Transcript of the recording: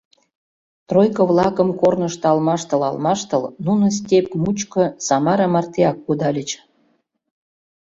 Тройко-влакым корнышто алмаштыл-алмаштыл, нуно степь мучко Самара мартеак кудальыч.